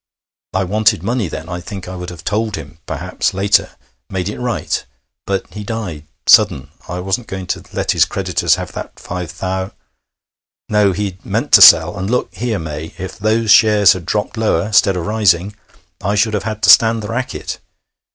I wanted money then.... I think I would have told him, perhaps, later ... made it right ... but he died ... sudden ... I wasn't going to let his creditors have that five thou.... No, he'd meant to sell ... and, look here, May, if those shares had dropped lower ... 'stead of rising ... I should have had to stand the racket